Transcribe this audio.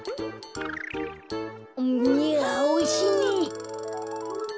いやおいしいね。